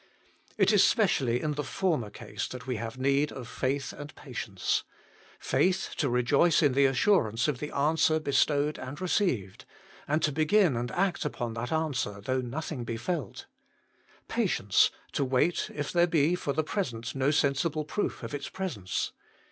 It is specially in the former case that we have need of faith and patience: faith to rejoice in the assurance of the answer bestowed and received, and to begin and act upon that answer though nothing be felt ; patience to wait if there be for the present no sensible proof of its presence.